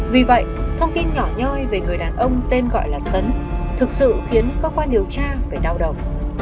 vì vậy thông tin nhỏ nhoi về người đàn ông tên gọi là sấn thực sự khiến cơ quan điều tra phải đau đầu